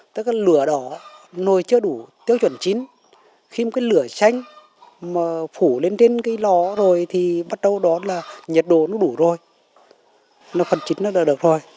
tức là lửa đó nồi chưa đủ tiêu chuẩn chín khi một cái lửa chanh mà phủ lên trên cái lò rồi thì bắt đầu đó là nhiệt độ nó đủ rồi phần chín nó là được rồi